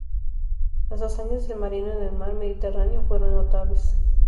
Las hazañas del marino en el mar Mediterráneo fueron notables.